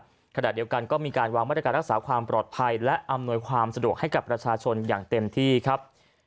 ขณะเดียวกันก็มีการวางมาตรการรักษาความปลอดภัยและอำนวยความสะดวกให้กับประชาชนอย่างเต็มที่ครับ